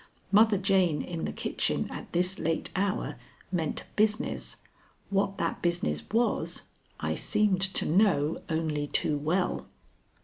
Mother Jane in the kitchen at this late hour meant business. What that business was, I seemed to know only too well.